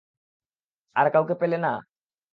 আর কাউকে পেলে না?